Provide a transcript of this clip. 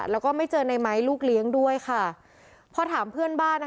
แล้วก็ไม่เจอในไม้ลูกเลี้ยงด้วยค่ะพอถามเพื่อนบ้านอ่ะ